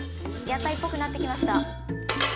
屋台っぽくなってきました。